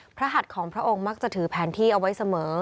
หัดของพระองค์มักจะถือแผนที่เอาไว้เสมอ